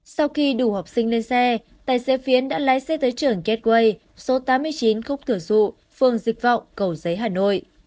sau khi đủ học sinh lên xe tài xế phiến đã lái xe tới trường gateway số tám mươi chín khúc thừa dụ phường dịch vọng cầu giấy hà nội